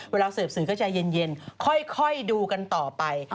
เวลาสืบสื่อก็ใจเย็นค่อยดูกันต่อไป